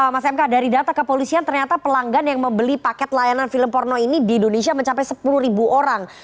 mas mk dari data kepolisian ternyata pelanggan yang membeli paket layanan film porno ini di indonesia mencapai sepuluh ribu orang